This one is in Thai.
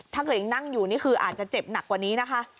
ถ้าเกิดยังนั่งอยู่นี่คืออาจจะเจ็บหนักกว่านี้นะคะ